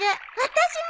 私も！